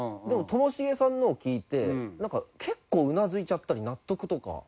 でもともしげさんのを聞いてなんか結構うなずいちゃったり納得とか。